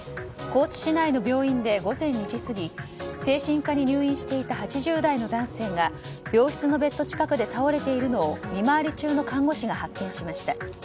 高知市内の病院で午前２時過ぎ精神科に入院していた８０代の男性が病室のベッド近くで倒れているのを見回り中の看護師が発見しました。